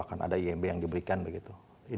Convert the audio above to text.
akan ada imb yang diberikan begitu